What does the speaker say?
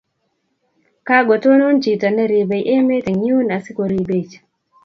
Kagotonon chiton neribe emet eng yuun asigoribech